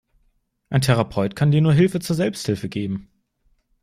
Ein Therapeut kann dir nur Hilfe zur Selbsthilfe geben.